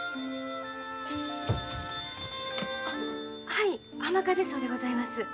☎はい浜風荘でございます。